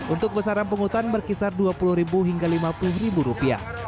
untuk besaran penghutan berkisar rp dua puluh hingga rp lima puluh